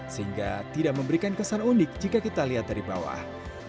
sehingga tidak memberikan kesan unik jika kita lihat dari bawah